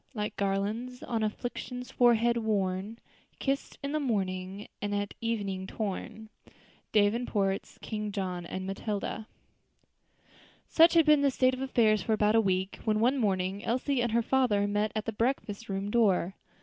Like garlands, on afflictions's forehead worn, Kissed in the morning, and at evening torn." DAVENPORT'S King John and Matilda. Such had been the state of affairs for about a week, when one morning Elsie and her father met at the breakfast room door.